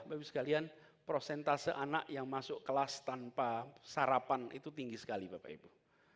bapak ibu sekalian prosentase anak yang masuk kelas tanpa sarapan itu tinggi sekali bapak ibu